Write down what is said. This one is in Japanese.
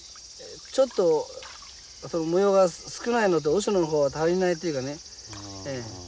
ちょっと模様が少ないのと足りないっていうかね。